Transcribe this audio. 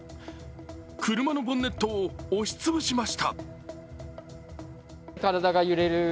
車のボンネットを押しつぶしました。